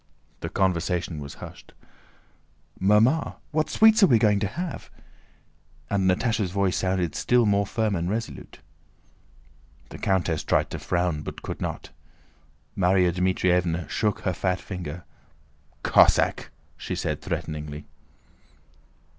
The conversation was hushed. "Mamma! What sweets are we going to have?" and Natásha's voice sounded still more firm and resolute. The countess tried to frown, but could not. Márya Dmítrievna shook her fat finger. "Cossack!" she said threateningly.